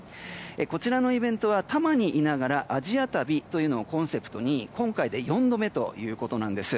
こちらのイベントは多摩にいながらアジア旅というコンセプトに今回で４度目ということです。